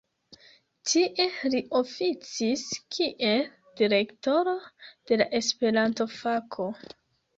Tie li oficis kiel direktoro de la Esperanto-fako.